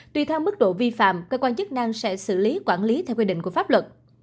tùy theo mức độ vi phạm cơ quan chức năng sẽ xử lý quản lý theo quy định của pháp luật